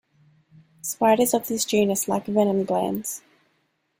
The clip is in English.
Spiders of this genus lack venom glands.